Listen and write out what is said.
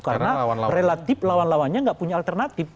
karena relatif lawan lawannya nggak punya alternatif